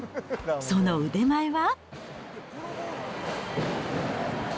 その腕前は？